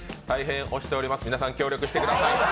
大変押しております、皆さん、協力してください。